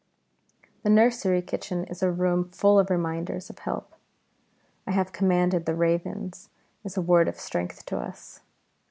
The nursery kitchen is a room full of reminders of help. "I have commanded the ravens," is a word of strength to us.